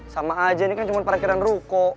sama aja ini kan cuma parkiran ruko